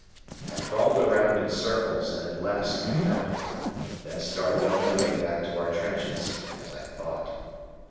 I crawled around in circles and at last found it, then started on my way back to our trenches, as I thought.